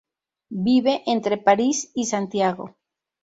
Vive entre París y Santiago.